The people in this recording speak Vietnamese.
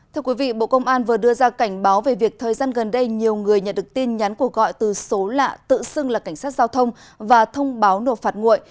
thưa quý vị bộ công an vừa đưa ra cảnh báo về việc thời gian gần đây nhiều người nhận được tin nhắn của gọi từ số lạ tự xưng là cảnh sát giao thông và thông báo nộp phạt nguội